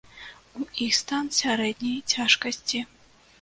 У іх стан сярэдняй цяжкасці.